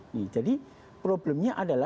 ini jadi problemnya adalah